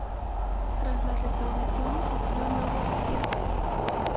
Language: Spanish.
Tras la Restauración sufrió nuevo destierro.